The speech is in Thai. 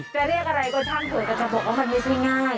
จะเรียกอะไรก็ช่างผลก็จะบอกว่ามันไม่ใช่ง่าย